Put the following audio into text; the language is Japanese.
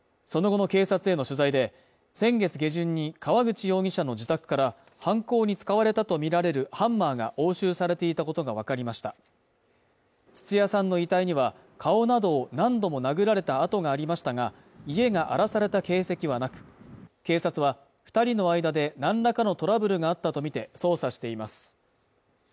その後の警察への取材で、先月下旬に川口容疑者の自宅から犯行に使われたとみられるハンマーが押収されていたことがわかりました土屋さんの遺体には、顔などを何度も殴られた痕がありましたが、家が荒らされた形跡はなく警察は２人の間で何らかのトラブルがあったとみて捜査しています。